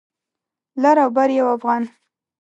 لر او بر یو افغان